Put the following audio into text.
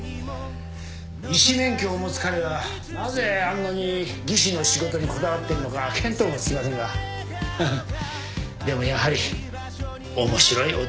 医師免許を持つ彼がなぜあんなに技師の仕事にこだわってるのか見当もつきませんがフフッでもやはり面白い男ですね。